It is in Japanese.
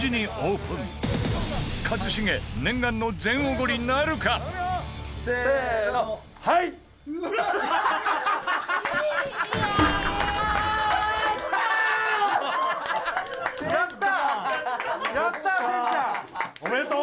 富澤：おめでとう！